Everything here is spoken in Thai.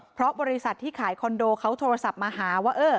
เพราะบริษัทที่ขายคอนโดเขาโทรศัพท์มาหาว่า